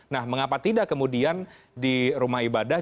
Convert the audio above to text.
nah mengapa tidak kemudian di rumah ibadah